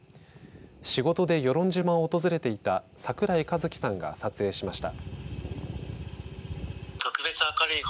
仕事で与論島を訪れていた櫻井一輝さんが撮影しました。